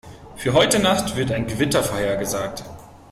Für heute Nacht wird ein Gewitter vorhergesagt.